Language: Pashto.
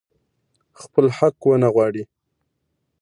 خپل حق ونه غواړي.